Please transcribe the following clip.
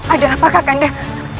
ada apa kakak indah